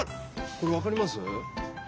これわかります？